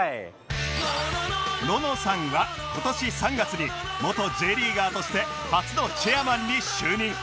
ののさんは今年３月に元 Ｊ リーガーとして初のチェアマンに就任